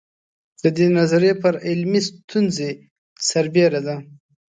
د دې نظریې پر علمي ستونزې سربېره ده.